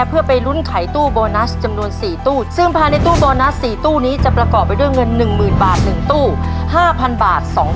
วันนี้นะครับมีแต่ได้กับได้นะครับ๑๗นะลูกค้า